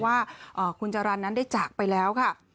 ว่าคุณจรรย์นั้นได้จากไปแล้วค่ะ